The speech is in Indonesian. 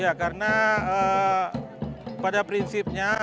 ya karena pada prinsipnya